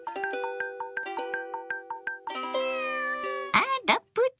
あらプチ！